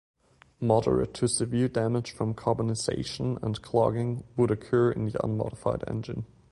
Moderate to severe damage from carbonisation and clogging would occur in an unmodified engine.